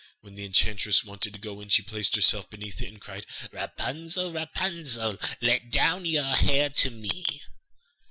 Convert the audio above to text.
When the enchantress wanted to go in, she placed herself beneath it and cried: 'Rapunzel, Rapunzel, Let down your hair to me.